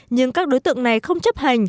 nhưng các đối tượng này không chấp hạ